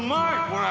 これ。